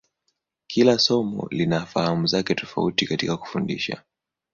Kila somo lina fahamu zake tofauti katika kufundisha.